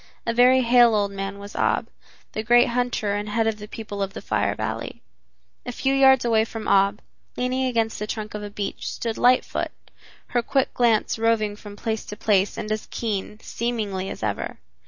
A very hale old man was Ab, the great hunter and head of the people of the Fire Valley. A few yards away from Ab, leaning against the trunk of a beech, stood Lightfoot, her quick glance roving from place to place and as keen, seemingly, as ever.